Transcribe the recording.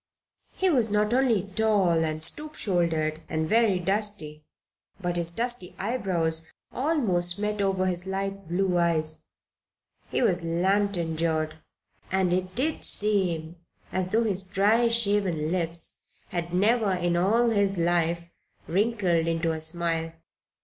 He was not only tall and stoop shouldered, and very dusty; but his dusty eyebrows almost met over his light blue eyes. He was lantern jawed, and it did seem as though his dry, shaven lips had never in all his life wrinkled into a smile.